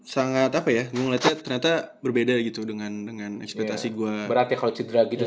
sangat apa ya ngelihatnya ternyata berbeda gitu dengan dengan ekspektasi gua berat ya kalau cedera gitu